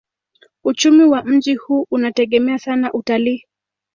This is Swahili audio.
Uchumi wa mji huu unategemea sana utalii.